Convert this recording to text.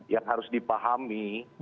yang harus dipahami